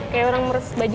kayak orang meres baju